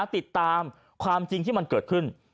ติดตามความจริงที่มันเกิดขึ้น